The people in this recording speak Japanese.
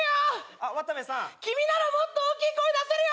あっ渡部さん君ならもっと大きい声出せるよ！